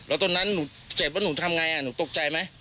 เจ็บแล้วตรงนั้นเจ็บว่าหนูทำไงหนูตกใจไหม